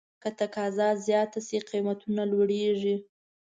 که تقاضا زیاته شي، قیمتونه لوړېږي.